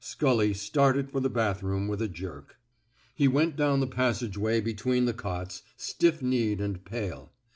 Scully started for the bathroom with a jerk. He went down the passageway between the cots, stiff kneed and pale.